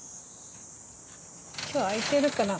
今日開いてるかな？